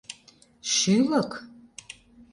Шӱлык?